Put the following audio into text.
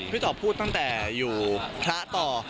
ตอบพูดตั้งแต่อยู่พระต่อ